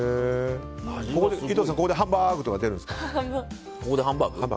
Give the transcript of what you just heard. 井戸田さん、ここでハンバーグ！は出るんですか？